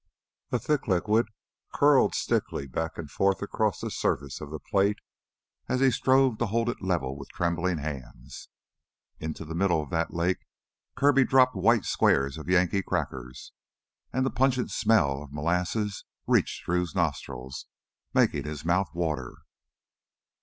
A thick liquid curled stickily back and forth across the surface of the plate as he strove to hold it level with trembling hands. Into the middle of that lake Kirby dropped white squares of Yankee crackers, and the pungent smell of molasses reached Drew's nostrils, making his mouth water.